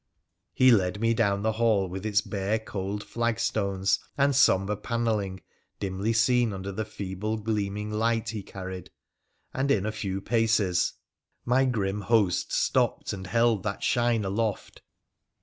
He led me down the hall with its bare, cold flag stones and sombre panelling dimly seen under the feeble gleaming light he carried, and in a few paces my grim host stopped and held that shine aloft.